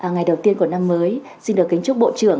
ngày đầu tiên của năm mới xin được kính chúc bộ trưởng